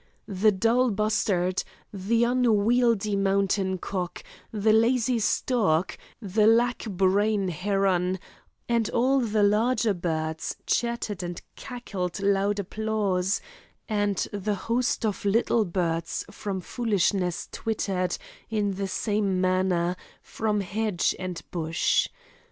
The dull bustard, the unwieldy mountain cock, the lazy stork, the lack brain heron, and all the larger birds chattered and cackled loud applause, and the host of little birds from foolishness twittered, in the same manner, from hedge and bush.